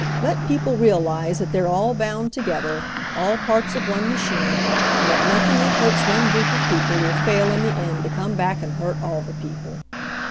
Let people realize that they're all bound together, all parts of one machine, and that nothing that hurts one group of people will fail in the end to come back and hurt all the peo ple."